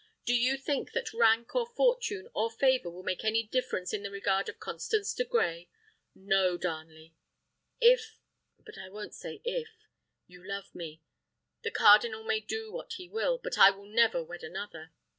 "Do you think that rank, or fortune, or favour, will make any difference in the regard of Constance de Grey? No, Darnley: if but I won't say if you love me, the cardinal may do what he will, but I will never wed another.